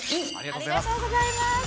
ありがとうございます。